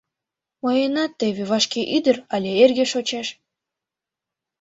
Мыйынат теве вашке ӱдыр але эрге шочеш».